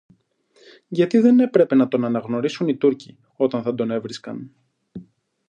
Γιατί δεν έπρεπε να τον αναγνωρίσουν οι Τούρκοι, όταν θα τον έβρισκαν.